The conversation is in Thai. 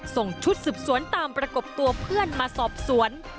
ส่งชุดสืบสวนตามประกบตัวเพื่อนมาสอบสวน